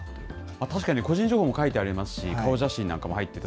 確かに個人情報も書いてありますし、顔写真なんかも入ってる。